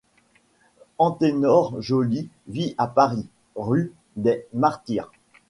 Anténor Joly vit à Paris, rue des Martyrs.